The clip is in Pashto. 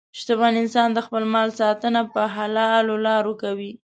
شتمن انسان د خپل مال ساتنه په حلالو لارو کوي.